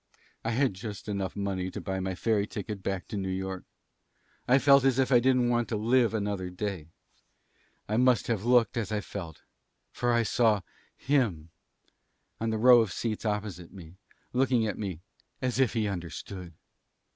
"I had just enough money to buy my ferry ticket back to New York. I felt as if I didn't want to live another day. I must have looked as I felt, for I saw him on the row of seats opposite me, looking at me as if he understood.